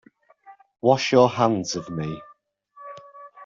Wash your hands of me.